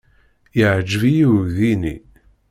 Yeɛjeb-iyi uydi-nni.